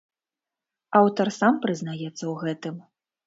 Аўтар сам прызнаецца ў гэтым.